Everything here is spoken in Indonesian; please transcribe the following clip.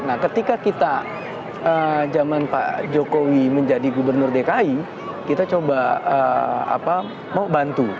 nah ketika kita zaman pak jokowi menjadi gubernur dki kita coba mau bantu